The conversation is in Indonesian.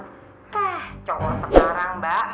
eh cowok sekarang mbak